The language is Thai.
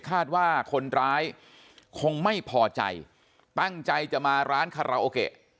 จังหวะนั้นได้ยินเสียงปืนรัวขึ้นหลายนัดเลย